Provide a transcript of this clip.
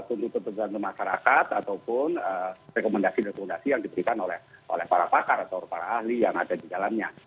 tuntutan masyarakat ataupun rekomendasi rekomendasi yang diberikan oleh para pakar atau para ahli yang ada di dalamnya